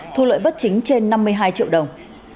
thu lợi bất chính trên năm mươi hai triệu đồng